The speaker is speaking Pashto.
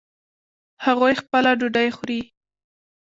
هغوی خپله ډوډۍ خوري